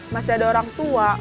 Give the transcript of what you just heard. masih ada orang tua